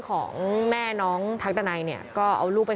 ส่วนของชีวาหาย